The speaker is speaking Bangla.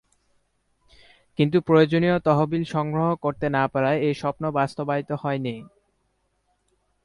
কিন্তু প্রয়োজনীয় তহবিল সংগ্রহ করতে না পারায় এ স্বপ্ন বাস্তবায়িত হয় নি।